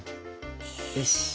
よし！